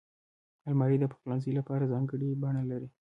الماري د پخلنځي لپاره ځانګړې بڼه لري